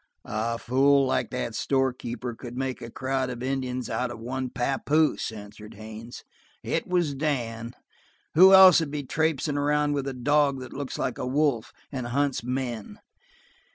"A fool like that store keeper could make a crowd of Indians out of one papoose," answered Haines. "It was Dan. Who else would be traipsing around with a dog that looks like a wolf and hunts men?"